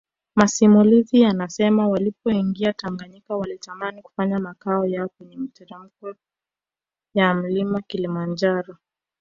Masimulizi yanasema walipoingia Tanganyika walitamani kufanya makao yao kwenye miteremko ya Mlima Kilimanjaro